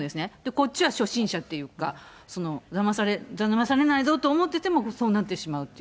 こっちは初心者っていうか、だまされないぞと思っててもそうなってしまうという。